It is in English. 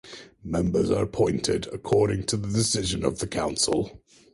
Members are appointed according to the decision of the Council.